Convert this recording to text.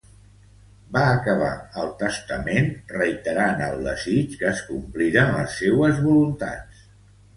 Va acabar el testament reiterant el desig que es compliren les seues voluntats.